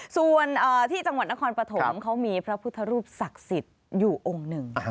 ส่วนที่จังหวัดนครปฐมเขามีพระพุทธรูปศักดิ์สิทธิ์อยู่องค์หนึ่ง